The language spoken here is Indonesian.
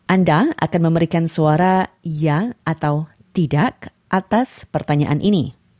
anda akan memberikan suara yang atau tidak atas pertanyaan ini